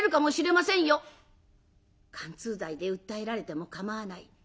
「姦通罪で訴えられても構わない。